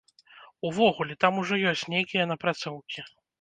Увогуле, там ужо ёсць нейкія напрацоўкі.